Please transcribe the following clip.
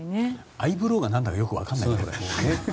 アイブローがなんだかよくわからないけどね。